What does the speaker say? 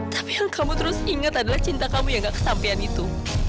tapi yang kamu terus ingat adalah cinta kamu yang gak kesampian itu